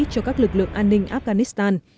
cho các lực lượng an ninh afghanistan